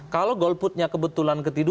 kalau golputnya kebetulan ketidakpun